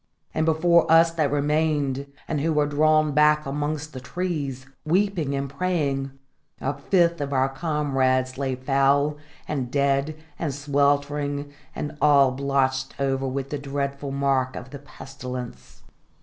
And before us that remained, and who were drawn back amongst the trees, weeping and praying, a fifth of our comrades lay foul, and dead, and sweltering, and all blotched over with the dreadful mark of the pestilence.